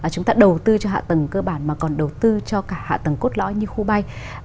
chúng ta đầu tư cho hạ tầng cơ bản mà còn đầu tư cho cả hạ tầng cốt lõi như khu bay